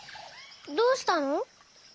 どうしたの？